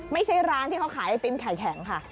ไม่ใช่ร้านที่เขาขายไอติมไข่แข็งค่ะ